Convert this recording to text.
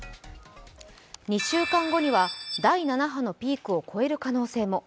２週間後には第７波のピークを超える可能性も。